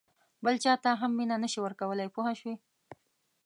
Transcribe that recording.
بل چاته هم مینه نه شې ورکولای پوه شوې!.